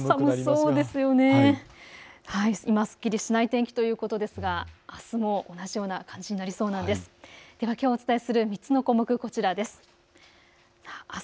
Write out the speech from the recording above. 今すっきりしない天気ということですがあすも同じような感じになりそうです。